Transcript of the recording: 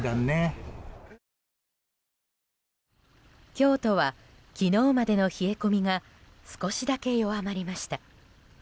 京都は昨日までの冷え込みが少しだけ弱まりました。